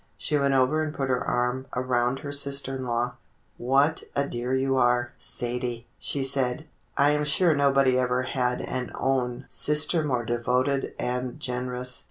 She went over and put her arm around her sister in law. "What a dear you are, Sadie!" she said. "I am sure nobody ever had an own sister more devoted and generous.